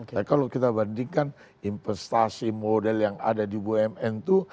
tapi kalau kita bandingkan investasi model yang ada di bumn itu